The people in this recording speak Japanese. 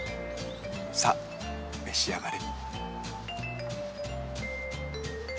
さあめし上がれ。